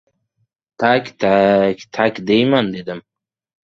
— Tak-tak, tak deyman! — dedim.